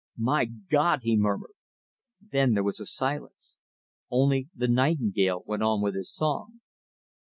"My God!" he murmured. Then there was silence. Only the nightingale went on with his song.